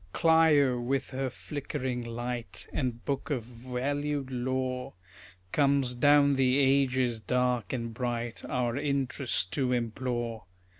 Clio, with her flickering light And book of valued lore, Comes down the ages, dark and bright, Our interest to implore.